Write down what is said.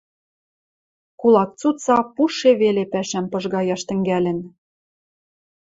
Кулак цуца пуше веле пӓшӓм пыжгаяш тӹнгӓлӹн.